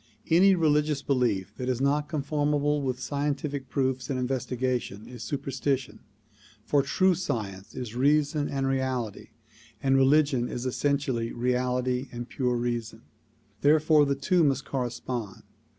Any religious belief which is not con formable with scientific proof and investigation is superstition, for true science is reason and reality, and religion is essentially reality and pure reason ; therefore the two must correspond.